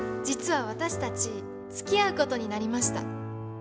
実は私たちつきあうことになりました。